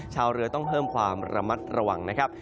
ชาวเรือต้องเพิ่มความระมัดระวังนะครับ